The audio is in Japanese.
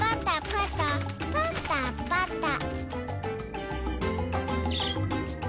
パタパタ。